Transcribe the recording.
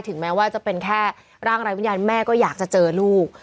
แม้ว่าจะเป็นแค่ร่างไร้วิญญาณแม่ก็อยากจะเจอลูก